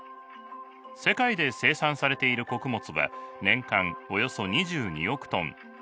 世界で生産されている穀物は年間およそ２２億トン。